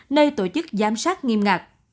nơi tổ chức giám sát nghiêm ngặt